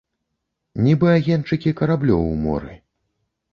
Нібы агеньчыкі караблёў у моры.